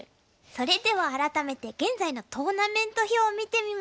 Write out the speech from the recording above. それでは改めて現在のトーナメント表を見てみましょう。